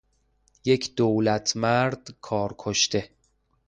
یک دولتمرد کار کشته